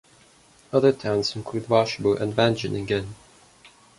Other towns include Washabo and Wageningen.